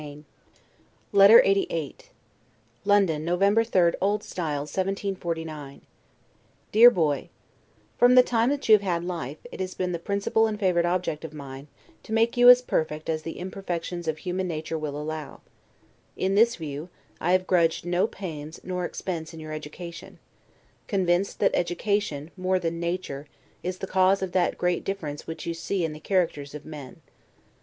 Adieu. LETTER LXXXVIII LONDON, November 3, O. S. 1749. DEAR BOY: From the time that you have had life, it has been the principle and favorite object of mine, to make you as perfect as the imperfections of human nature will allow: in this view, I have grudged no pains nor expense in your education; convinced that education, more than nature, is the cause of that great difference which you see in the characters of men.